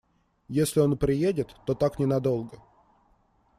Если он и приедет, то так ненадолго.